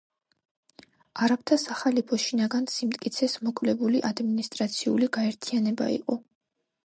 არაბთა სახალიფო შინაგან სიმტკიცეს მოკლებული ადმინისტრაციული გაერთიანება იყო.